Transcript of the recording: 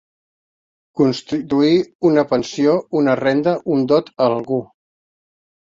Constituir una pensió, una renda, un dot, a algú.